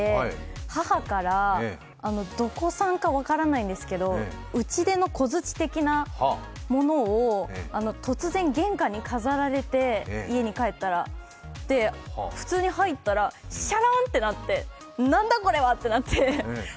母から、どこ産か分からないんですけど打ち出の小槌的なものを、突然玄関に飾られて、家に帰ったら、普通に入ったら、シャランって鳴ってなんだこれは？ってなって。